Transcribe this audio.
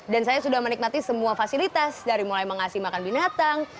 saya sudah menikmati semua fasilitas dari mulai mengasih makan binatang